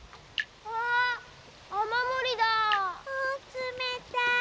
つめたい。